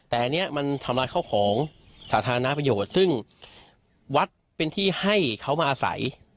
แต่อันนี้มันทำลายข้าวของสาธารณประโยชน์ซึ่งวัดเป็นที่ให้เขามาอาศัย